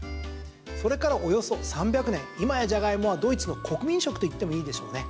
それからおよそ３００年今やジャガイモはドイツの国民食と言ってもいいでしょうね。